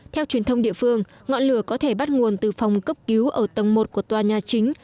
theo truyền thông địa phương ngọn lửa có thể bắt nguồn từ phòng cấp cứu ở tầng một của tòa nhà chính